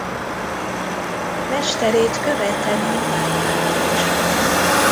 Mesterét követte Nagybányára is.